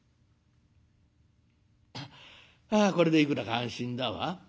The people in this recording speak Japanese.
「あこれでいくらか安心だわ。